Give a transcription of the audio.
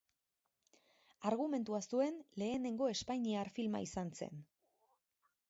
Argumentua zuen lehenengo espainiar filma izan zen.